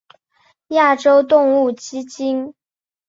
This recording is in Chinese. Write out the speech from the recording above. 亚洲动物基金。